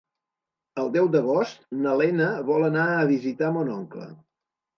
El deu d'agost na Lena vol anar a visitar mon oncle.